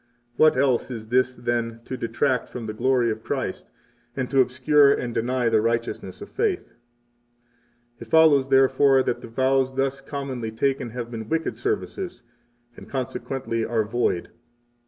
What else is this than to detract from the glory of Christ and to obscure and deny the righteousness of faith? 39 It follows, therefore, that the vows thus commonly taken have been wicked services, and, consequently, are void.